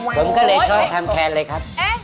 หมวงกะเลกก็เหมือนทำแคลนเลยครับ